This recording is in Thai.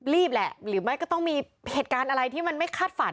แหละหรือไม่ก็ต้องมีเหตุการณ์อะไรที่มันไม่คาดฝัน